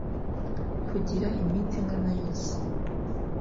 kugira iminsi ingana yose